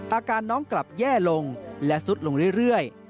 อาการน้องกลับแย่ลงและซุดลงเรื่อย